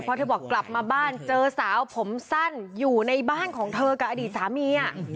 พอเธอบอกกลับมาบ้านเจอสาวผมสั้นอยู่ในบ้านของเธอกับอดีตสามี